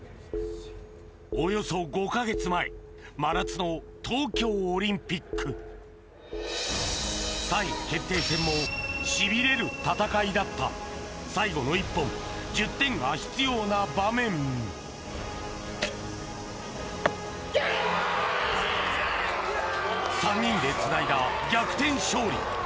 およそ５か月前真夏の東京オリンピック３位決定戦もしびれる戦いだった最後の１本１０点が必要な場面３人でつないだ逆転勝利